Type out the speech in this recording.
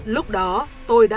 lúc đó tôi đã